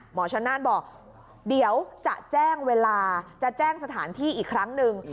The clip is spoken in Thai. หมอชนน่านบอกเดี๋ยวจะแจ้งเวลาจะแจ้งสถานที่อีกครั้งหนึ่ง